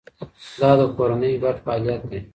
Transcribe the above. دا د کورنۍ ګډ فعالیت دی.